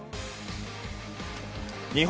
日本